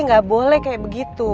gak boleh kayak begitu